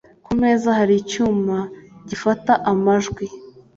Ku meza hari icyuma gifata amajwi.